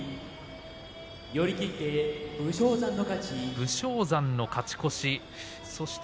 武将山の勝ち越し